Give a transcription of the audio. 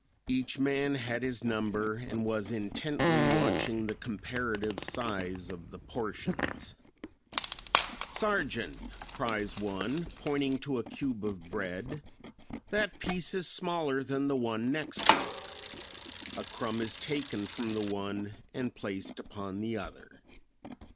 Each man had his number and was intently watching the comparative size of the portions. "Sergeant," cries one, pointing to a cube of bread, "That piece is smaller than the one next to it." A crumb is taken from the one and placed upon the other.